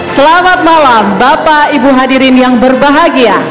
selamat malam bapak ibu hadirin yang berbahagia